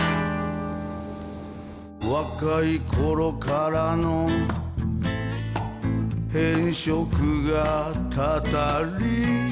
「若い頃からの偏食がたたり」